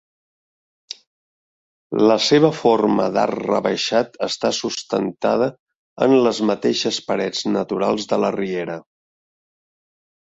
La seva forma d'arc rebaixat està sustentada en les mateixes parets naturals de la riera.